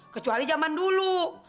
kecuali zaman dulu